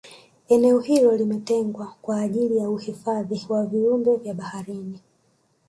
eneo hilo limetengwa kwa ajili ya uhifadhi wa viumbe vya baharini